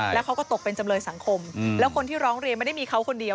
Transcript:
แล้วเขาก็ตกเป็นจำเลยสังคมแล้วคนที่ร้องเรียนไม่ได้มีเขาคนเดียว